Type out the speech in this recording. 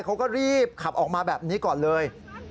เขาก็รีบขับออกมาแบบนี้ก่อนเลย